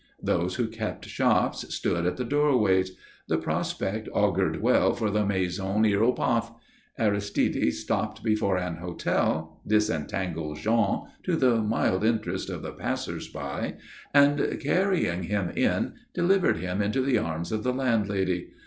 Those who kept shops stood at the doorways. The prospect augured well for the Maison Hiéropath. Aristide stopped before an hotel, disentangled Jean, to the mild interest of the passers by, and, carrying him in, delivered him into the arms of the landlady.